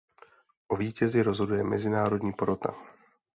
O vítězi rozhoduje mezinárodní porota.